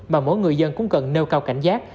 mà mỗi người dân cũng cần nêu cao cảnh giác